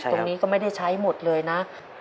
ตรงนี้ก็ไม่ได้ใช้หมดเลยนะ